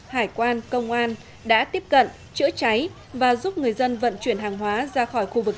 hải quan công an đã tiếp cận chữa cháy và giúp người dân vận chuyển hàng hóa ra khỏi khu vực